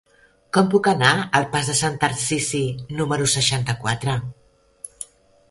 Com puc anar al pas de Sant Tarsici número seixanta-quatre?